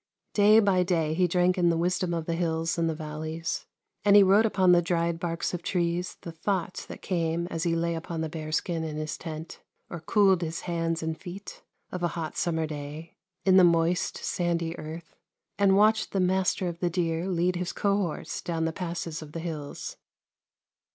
Day by day he drank in the wisdom of the hills and the valleys, and he wrote upon the dried barks of trees the thoughts that came as he lay upon the bearskin in his tent, or cooled his hands and feet, of a hot summer day, in the moist, sandy earth, and watched the master of the deer lead his cohorts down the passes of the hills.